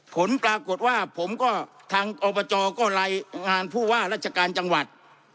ผลปรากฏว่าผมก็ทางอบจก็รายงานผู้ว่าราชการจังหวัด